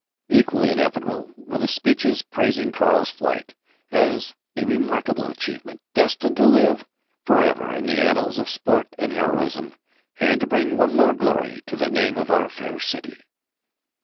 Equally inevitable were the speeches praising Carl's flight as a "remarkable achievement, destined to live forever in the annals of sport and heroism, and to bring one more glory to the name of our fair city."